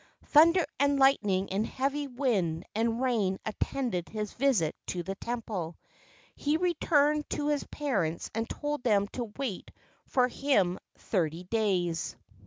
Thunder and lightning and heavy wind and rain attended his visit to the temple. He re¬ turned to his parents and told them to wait for him thirty days.